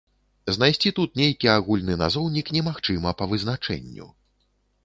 Знайсці тут нейкі агульны назоўнік немагчыма па вызначэнню.